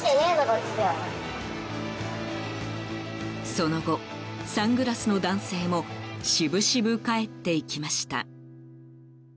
その後、サングラスの男性も渋々帰っていきました。